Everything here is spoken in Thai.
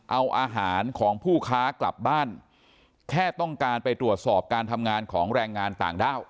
เอาอาหารของผู้ค้ากลับบ้านแค่ต้องการไปตรวจสอบการทำงานของแรงงานต่างด้าว